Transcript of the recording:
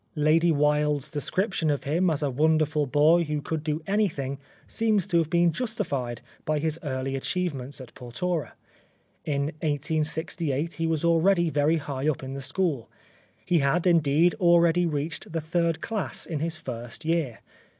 Lady Wilde's description of him as a wonderful boy who could do anything seems to have been justified by his early achievements at Portora. In 1868 he was already very high up in the school ; he had, indeed, already reached the third class in his first year.